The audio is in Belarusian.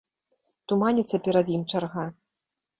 Туманіцца перад ім чарга.